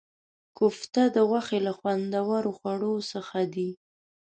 کوفته د غوښې له خوندورو خواړو څخه دی.